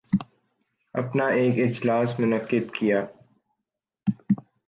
اپنا ایک اجلاس منعقد کیا